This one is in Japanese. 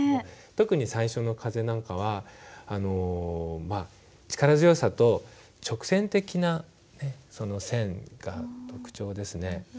特に最初の「風」なんかは力強さと直線的な線が特徴ですね。